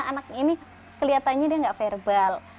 anak ini kelihatannya dia nggak verbal